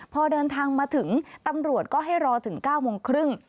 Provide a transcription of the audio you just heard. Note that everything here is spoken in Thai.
พอเดินทางมาถึงตำรวจก็ให้รอถึง๙โมงครึ่ง